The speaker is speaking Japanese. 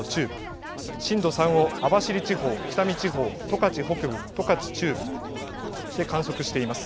震度３を網走地方、北見地方、十勝北部、十勝中部で観測しています。